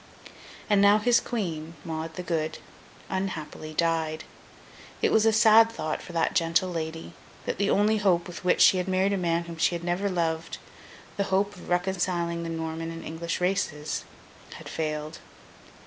And now his Queen, Maud the Good, unhappily died. It was a sad thought for that gentle lady, that the only hope with which she had married a man whom she had never loved—the hope of reconciling the Norman and English races—had failed.